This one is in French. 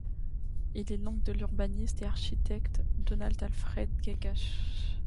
Il est l'oncle de l'urbaniste et architecte Donat-Alfred Agache.